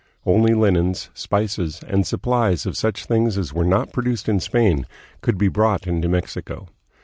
Only linens, spices, and supplies of such things as were not produced in Spain could be brought into Mexico.